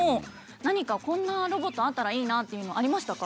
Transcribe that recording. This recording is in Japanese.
何かこんなロボットあったらいいなっていうのありましたか？